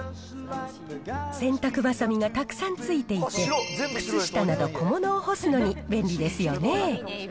洗濯ばさみがたくさんついていて、靴下など小物を干すのに便利ですよね。